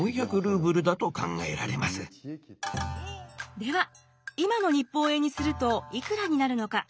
では今の日本円にするといくらになるのか？